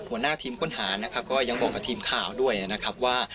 หัวหน้าทีมค้นหานะครับก็ยังบอกกับทีมข่าวด้วยนะครับว่า